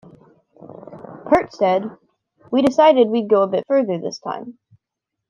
Peart said, We decided we'd go a bit further this time.